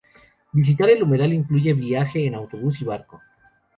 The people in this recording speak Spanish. Visitar el humedal incluye viaje en autobús y barco.